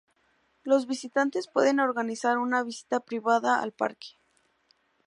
Los visitantes pueden organizar una visita privada al parque.